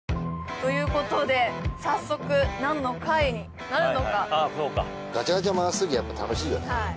ということで早速何の会になるのかああそうかガチャガチャ回すとき楽しいよね